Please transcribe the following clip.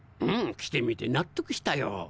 うん来てみて納得したよ。